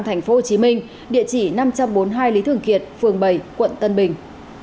tp hcm địa chỉ năm trăm bốn mươi hai lý thường kiệt phường bảy quận tân bình